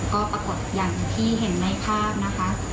ก็ปรากฏอย่างที่เห็นในภาพนะคะ